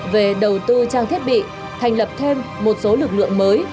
về đầu tư trang thiết bị thành lập thêm một số lực lượng mới